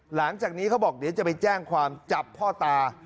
หลังจากนี้เขาบอกเดี๋ยวจะไปแจ้งความจับพ่อตา